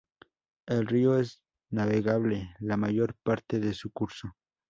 El río es navegable la mayor parte de su curso.